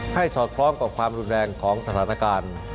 สอดคล้องกับความรุนแรงของสถานการณ์